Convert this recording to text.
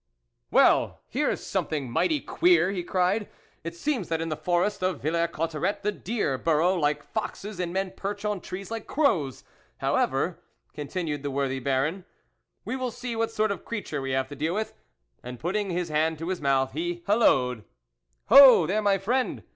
" Well, here's something mighty queer !" he cried, " It seems that in the forest of Villers Cotterets the deer burrow like foxes, and men perch on trees like crows. However," continued the worthy Baron, "we will see what sort of creature we have to deal with." And putting his hand to his mouth, he halloed :" Ho, there, my friend